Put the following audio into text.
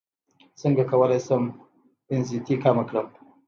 څنګه کولی شم انزیتي کمه کړم